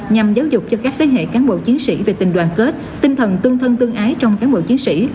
nhằm giáo dục cho các thế hệ cán bộ chiến sĩ về tình đoàn kết tinh thần tương thân tương ái trong cán bộ chiến sĩ